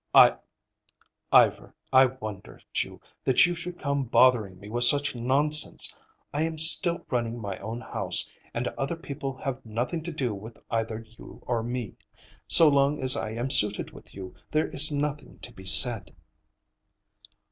"Ivar, I wonder at you, that you should come bothering me with such nonsense. I am still running my own house, and other people have nothing to do with either you or me. So long as I am suited with you, there is nothing to be said."